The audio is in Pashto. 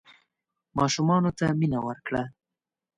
ماشومانو ته مینه ورکړه.